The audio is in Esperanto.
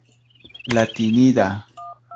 latinida